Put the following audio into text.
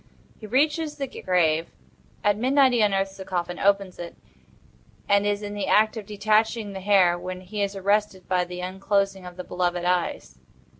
He reaches the grave. At midnight he unearths the coffin, opens it, and is in the act of detaching the hair, when he is arrested by the unclosing of the beloved eyes.